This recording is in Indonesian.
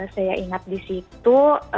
saya ingat disitu